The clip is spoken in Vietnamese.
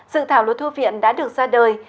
dự thảo luật thư viện đã được ra đời